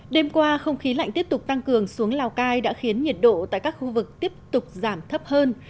đêm qua không khí lạnh tiếp tục tăng cường xuống lào cai đã khiến nhiệt độ tại các khu vực tiếp tục giảm thấp hơn